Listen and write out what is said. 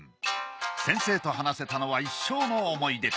先生と話せたのは一生の思い出。